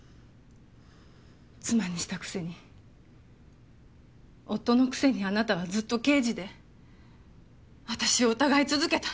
妻にしたくせに夫のくせにあなたはずっと刑事で私を疑い続けた。